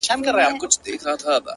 څومره دي ښايست ورباندي ټك واهه ـ